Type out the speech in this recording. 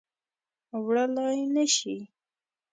وړلای نه شي